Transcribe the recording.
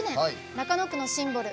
中野区のシンボル